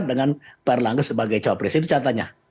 dengan pak erlangga sebagai cawapres itu catatannya